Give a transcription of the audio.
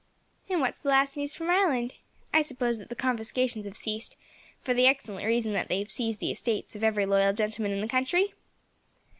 "And what is the last news from Ireland? I suppose that the confiscations have ceased, for the excellent reason that they have seized the estates of every loyal gentleman in the country?"